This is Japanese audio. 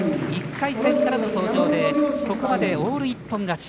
１回戦からの登場でここまでオール一本勝ち。